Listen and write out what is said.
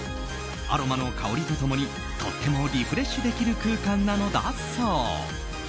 アロマの香りと共にとてもリフレッシュできる空間なのだそう。